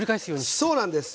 そうなんです。